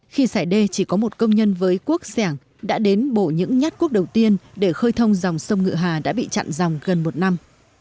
khi xảy đê chỉ có một công nhân với quốc sẻng đã đến bổ những nhát quốc đầu tiên để khơi thông dòng sông ngựa hà đã bị chặn dòng gần một năm